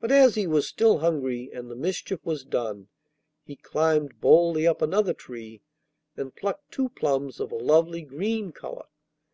But as he was still hungry, and the mischief was done, he climbed boldly up another tree, and plucked two plums of a lovely green colour.